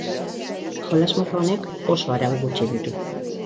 Jolas mota honek oso arau gutxi ditu.